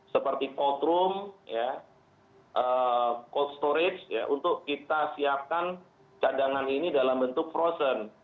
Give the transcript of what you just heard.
seperti cold room ya cold storage ya untuk kita siapkan cadangan ini dalam bentuk frozen